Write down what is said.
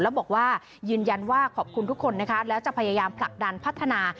แล้วบอกว่ายืนยันว่าขอบคุณทุกคนนะคะแล้วจะพยายามผลักดันพัฒนา